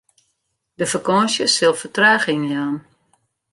De fakânsje sil fertraging jaan.